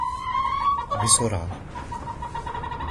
بسرعة.